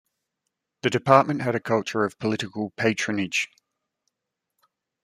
The department had a culture of political patronage.